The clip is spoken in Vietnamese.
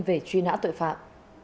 về truy nã tội phạm